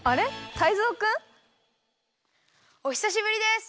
タイゾウくん？おひさしぶりです！